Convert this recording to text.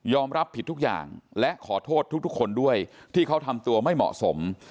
รับผิดทุกอย่างและขอโทษทุกคนด้วยที่เขาทำตัวไม่เหมาะสม